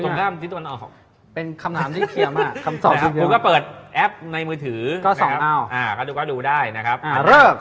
เล็กเล็กเล็กเล็กเล็กเล็กเล็กเล็กเล็กเล็กเล็กเล็กเล็กเล็ก